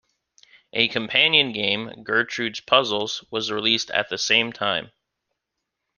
A companion game, "Gertrude's Puzzles" was released at the same time.